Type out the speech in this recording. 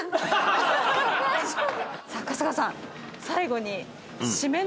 最後に。